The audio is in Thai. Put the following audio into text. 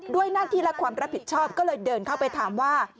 หน้าที่และความรับผิดชอบก็เลยเดินเข้าไปถามว่า